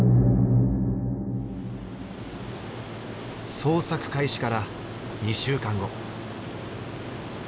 捜索開始から２週間後。